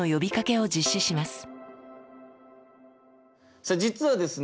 さあ実はですね